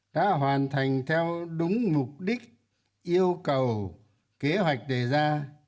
đã hoàn thành theo đúng mục đích yêu cầu kế hoạch đề ra